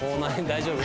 大丈夫？